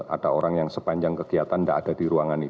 ada orang yang sepanjang kegiatan tidak ada di ruangan itu